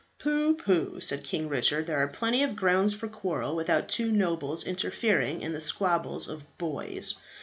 "Pooh, pooh," said King Richard, "there are plenty of grounds for quarrel without two nobles interfering in the squabbles of boys.